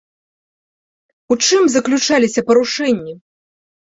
У чым заключаліся парушэнні?